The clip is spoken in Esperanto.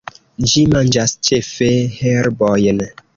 Ĝi manĝas ĉefe herbojn.